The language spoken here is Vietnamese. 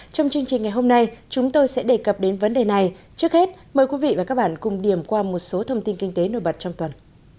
trong chương trình ngày hôm nay chúng tôi sẽ đề cập đến vấn đề này trước hết mời quý vị và các bạn cùng điểm qua một số thông tin kinh tế nổi bật trong tuần